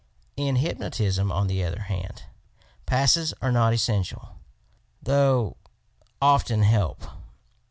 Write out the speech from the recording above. In Hypnotism, on the other hand, passes are not essential, though Ibey often help.